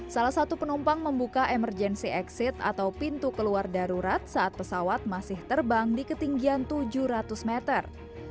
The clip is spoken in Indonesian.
salah satu penumpang membuka emergency exit atau pintu keluar darurat saat pesawat masih terbang di ketinggian tujuh ratus meter